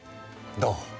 どう？